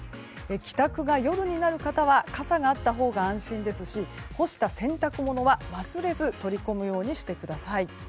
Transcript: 帰宅が夜になる方は傘があったほうが安心ですし干した洗濯物は忘れず取り込むようにしてください。